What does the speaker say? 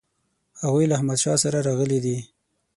هغوی له احمدشاه سره راغلي دي.